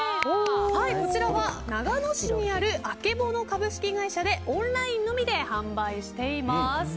こちらは長野市にあるＡＫＥＢＯＮＯ株式会社でオンラインのみで販売しています。